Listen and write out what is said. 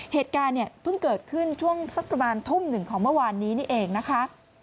เหตุการณ์เนี่ยเพิ่งเกิดขึ้นช่วงสักประมาณทุ่มหนึ่งของเมื่อวานนี้นี่เองนะคะ